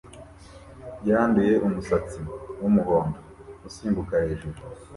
yanduye umusatsi wumuhondo usimbuka hejuru